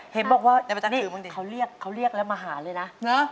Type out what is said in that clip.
เห็นบอกว่านี่เขาเรียกแล้วมาหาเลยนะ